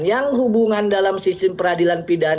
yang hubungan dalam sistem peradilan pidana